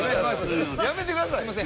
やめてくださいよ！